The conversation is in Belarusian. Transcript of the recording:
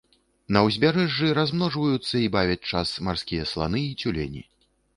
На ўзбярэжжы размножваюцца і бавяць час марскія сланы і цюлені.